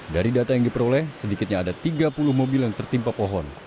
dari data yang diperoleh sedikitnya ada tiga puluh mobil yang tertimpa pohon